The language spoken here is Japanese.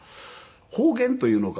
方言というのか